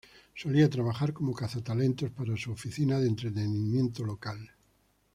Solía trabajar como cazatalentos para su oficina de entretenimiento local.